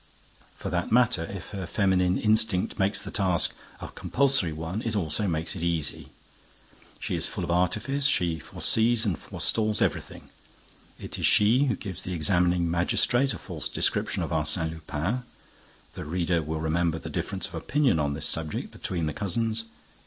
For that matter, if her feminine instinct makes the task a compulsory one, it also makes it easy. She is full of artifice, she foresees and forestalls everything. It is she who gives the examining magistrate a false description of Arsène Lupin (the reader will remember the difference of opinion on this subject between the cousins).